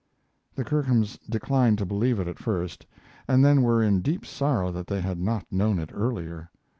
The Kirkhams declined to believe it at first, and then were in deep sorrow that they had not known it earlier.